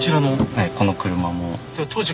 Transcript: はいこの車も。